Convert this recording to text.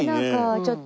ちょっと。